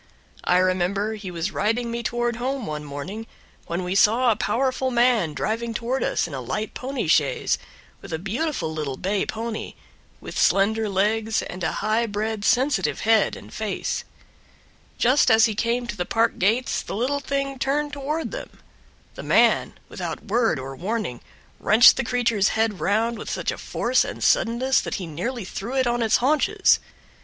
I remember he was riding me toward home one morning when we saw a powerful man driving toward us in a light pony chaise, with a beautiful little bay pony, with slender legs and a high bred sensitive head and face. Just as he came to the park gates the little thing turned toward them; the man, without word or warning, wrenched the creature's head round with such a force and suddenness that he nearly threw it on its haunches.